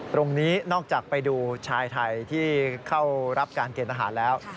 นอกจากไปดูชายไทยที่เข้ารับการเกณฑ์ทหารแล้ว